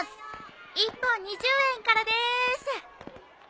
１本２０円からでーす。